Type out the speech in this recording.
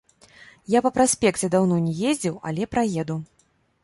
Я па праспекце даўно не ездзіў, але праеду.